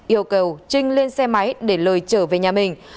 yêu cầu trinh lên xe máy để lời trở về nhà mình